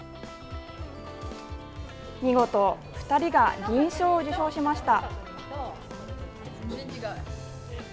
見事２人が銀賞を受賞しました。